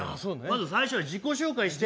まず最初は自己紹介して。